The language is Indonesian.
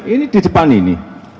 ini di depan ini